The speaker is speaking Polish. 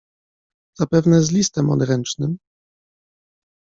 Zapewne z listem odręcznym?